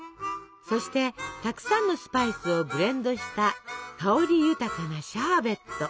そしてたくさんのスパイスをブレンドした香り豊かなシャーベット！